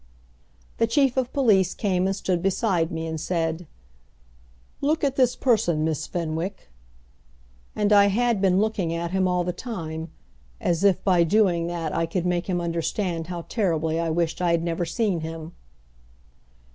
The Chief of Police came and stood beside me, and said, "Look at this person, Miss Fenwick;" and I had been looking at him all the time, as if by doing that I could make him understand how terribly I wished I had never seen him.